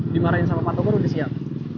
dimarahin sama patogar udah siap